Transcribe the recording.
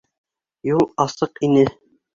Юл асыҡ ине.